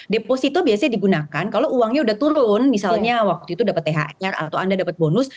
deposito biasanya digunakan kalau uangnya udah turun misalnya waktu itu dapat thr atau anda dapat bonus